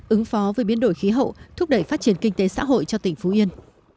ứng phó với biến đổi khí hậu thúc đẩy phát triển kinh tế xã hội cho tỉnh phú yên